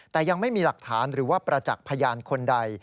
แต่ยังไม่มีหลักฐานหรือว่าประจักษ์พยานคนใด